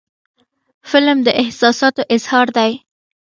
فلم د احساساتو اظهار دی